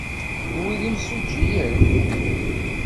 Kenwi d imsujjiyen?